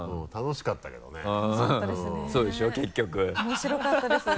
楽しかったですね。